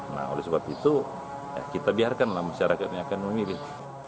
nah oleh sebab itu kita biarkanlah masyarakatnya akan memilih